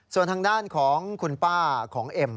ส่วนทางด้านของคุณป้าของเอ็ม